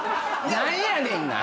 何やねんな